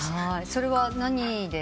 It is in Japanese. それは何で共演？